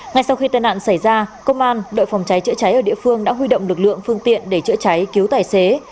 ngay sau khi tai nạn xảy ra công an đội phòng cháy chữa cháy ở địa phương đã huy động lực lượng phương tiện để chữa cháy cứu tài xế